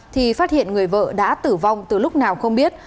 thì phát hiện người vợ đã tử vong từ lúc nào không biết